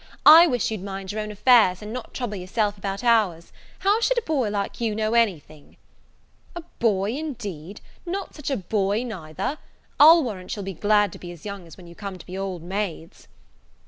I wish you'd mind your own affairs, and not trouble yourself about ours. How should a boy like you know any thing?" "A boy, indeed! not such a boy, neither: I'll warrant you'll be glad to be as young when you come to be old maids."